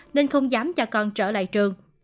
nên không dám cho con trở lại trường